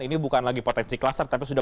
ini bukan lagi potensi kluster tapi sudah